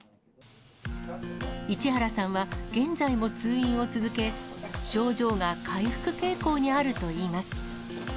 市原さんは現在も通院を続け、症状が回復傾向にあるといいます。